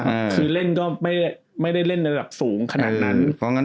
คือเล่นก็ไม่ได้เล่นระดับสูงขนาดนั้น